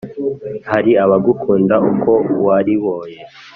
hari abagukunda uko wariboye